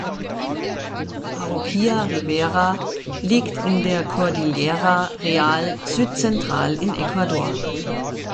Die Parroquia Rivera liegt in der Cordillera Real südzentral in Ecuador.